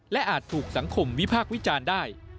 และอาจถูกสังคมวิพากษ์วิจารณ์ได้